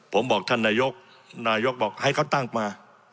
ผมบอกท่านนายกนายกบอกให้เขาตั้งมา